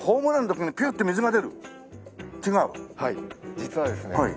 実はですね